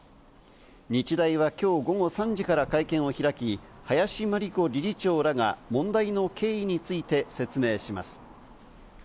日大はきょう午後３時から会見を開き、林真理子理事長らが問題の経緯について説明します。